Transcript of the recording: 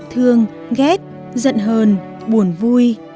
thương ghét giận hờn buồn vui